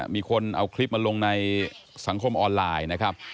มีคนเอาคลิปมาลงในสังคมออนไลน์นะครับ